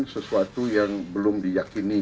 sesuatu yang belum diakini